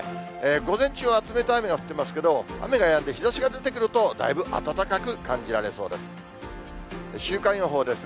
午前中は冷たい雨が降ってますけれども、雨がやんで日ざしが出てくると、だいぶ暖かく感じられそうです。